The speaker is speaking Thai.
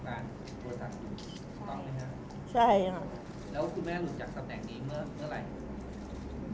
ก็ใช่ครับ